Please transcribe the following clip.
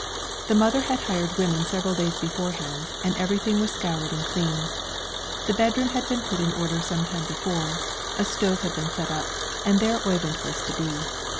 The mother had hired women several days beforehand, and everything was scoured and clean. The bedroom had been put in order some time before, a stove had been set up, and there Oyvind was to be.